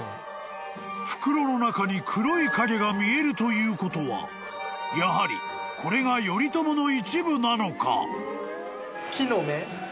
［袋の中に黒い影が見えるということはやはりこれが頼朝の一部なのか？］